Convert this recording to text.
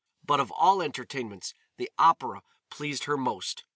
But of all entertainments the Opéra pleasured her most.